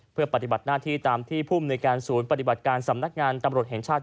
เพื่อปฏิบัติหน้าที่ตามที่ภูมิในการศูนย์ปฏิบัติการสำนักงานตำรวจแห่งชาติ